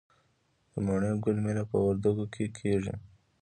د مڼې ګل میله په وردګو کې کیږي.